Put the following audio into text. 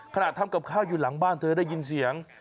ทำกับข้าวอยู่หลังบ้านเธอได้ยินเสียง